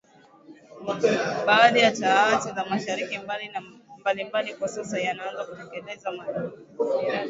Baadhi ya taasisi na mashirika mbali mbali kwa sasa yanaanza kutekeleza miradi ya uhifadhi